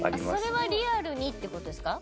それはリアルにって事ですか？